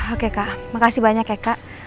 oke kak makasih banyak ya kak